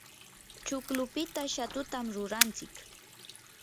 chuklupita shatutam rurantsik.